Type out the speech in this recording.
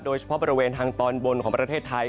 โดยเฉพาะบริเวณทางตอนบนของประเทศไทย